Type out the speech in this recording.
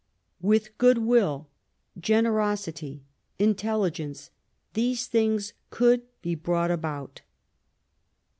With good will, generosity, intelligence, these things could be brought about.